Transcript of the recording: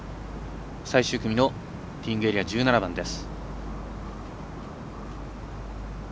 最終組のティーイングエリア１７番です。